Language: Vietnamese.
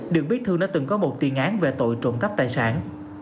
được biết thư đã từng có một tiền án về tội trộm cắp tài sản